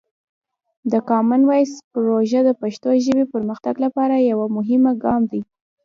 د کامن وایس پروژه د پښتو ژبې پرمختګ لپاره یوه مهمه ګام دی.